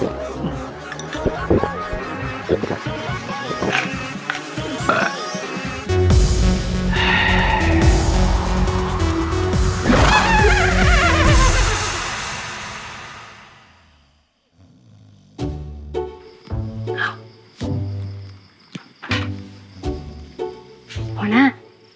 หัวหน้า